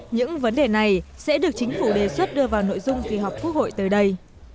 những vấn đề này sẽ được chính phủ đề xuất đưa vào nội dung kỳ họp quốc hội tới đây